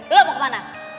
lo mau kemana